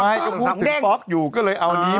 ไม่ผมถึงป๊อกอยู่ก็เลยเอานี้มา